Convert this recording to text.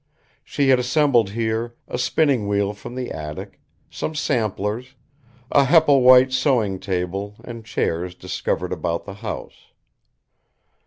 She had assembled here a spinning wheel from the attic, some samplers, a Hepplewhite sewing table and chairs discovered about the house.